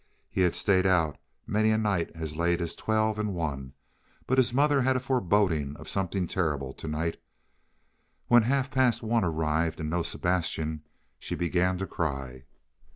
He had stayed out many a night as late as twelve and one, but his mother had a foreboding of something terrible tonight. When half past one arrived, and no Sebastian, she began to cry.